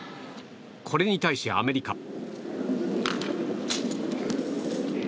これに対し、アメリカ。